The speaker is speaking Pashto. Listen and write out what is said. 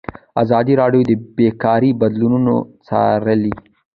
ازادي راډیو د بیکاري بدلونونه څارلي.